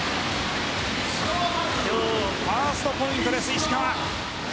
今日ファーストポイント、石川。